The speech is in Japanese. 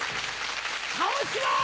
倒します！